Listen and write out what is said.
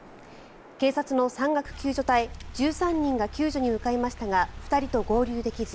警察の山岳救助隊１３人が救助に向かいましたが２人と合流できず